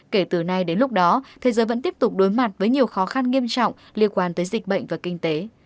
kể từ nay đến lúc đó thế giới vẫn tiếp tục đối mặt với nhiều khó khăn nghiêm trọng liên quan tới dịch bệnh và kinh tế